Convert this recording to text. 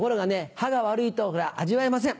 歯が悪いと味わえません。